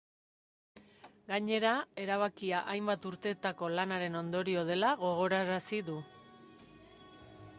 Gainera, erabakia hainbat urtetako lanaren ondorio dela gogorarazi du.